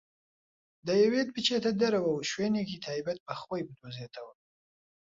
دەیەوێت بچێتە دەرەوە و شوێنێکی تایبەت بە خۆی بدۆزێتەوە.